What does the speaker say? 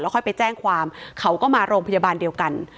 ค่อยไปแจ้งความเขาก็มาโรงพยาบาลเดียวกัน